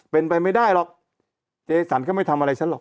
เป็นไปไม่ได้หรอกเจสันก็ไม่ทำอะไรฉันหรอก